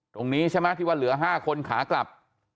ตรงนี้ใช่ไหมที่ว่าเหลือ๕คนขากลับ